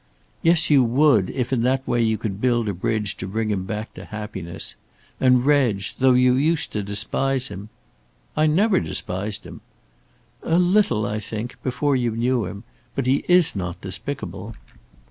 "Yes, you would, if in that way you could build a bridge to bring him back to happiness. And, Reg, though you used to despise him " "I never despised him." "A little I think before you knew him. But he is not despicable."